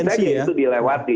mungkin saja itu dilewati